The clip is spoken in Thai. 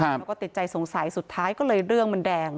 แล้วก็ติดใจสงสัยสุดท้ายก็เลยเรื่องมันแดง